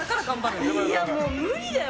いや、もう無理だよ！